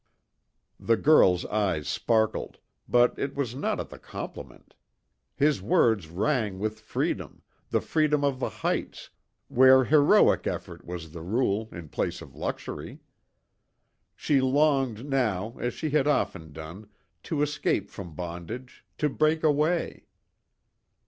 The girl's eyes sparkled, but it was not at the compliment. His words rang with freedom, the freedom of the heights, where heroic effort was the rule in place of luxury. She longed now, as she had often done, to escape from bondage, to break away.